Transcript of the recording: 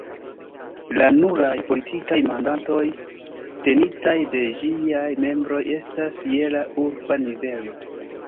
La nuraj politikaj mandatoj tenitaj de ĝiaj membroj estas je la urba nivelo.